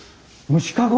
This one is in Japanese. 虫かご？